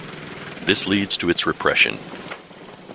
This leads to its repression.